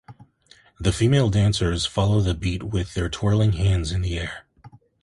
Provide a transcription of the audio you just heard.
The female dancers follow the beat with their twirling hands in the air.